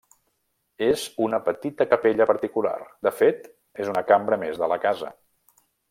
És una petita capella particular; de fet, és una cambra més de la casa.